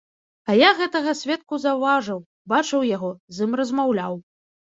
А я гэтага сведку заўважыў, бачыў яго, з ім размаўляў.